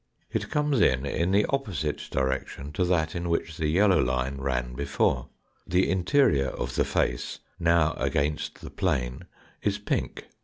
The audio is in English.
It comes in in the opposite direction to that in which the yellow line ran before ; the interior of the face now against the plane is pink.